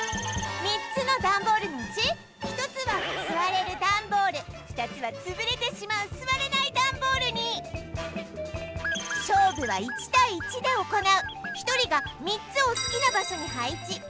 ３つのダンボールのうち１つは座れるダンボール２つは潰れてしまう座れないダンボールに勝負は１対１で行う１人が３つを好きな場所に配置